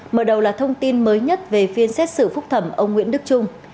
mở đầu là thông tin mới nhất về phiên xét xử phúc thẩm ông nguyễn đức trung